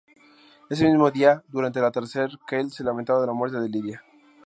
Ese mismo día, durante el atardecer Kale se lamenta de la muerte de Lydia.